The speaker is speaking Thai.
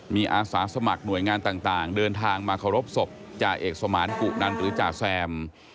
มีอาสาสมัครหน่วยงานต่างเดินทางมาเคารพศพจ่าเอกสมานกุนันหรือจ่าแซม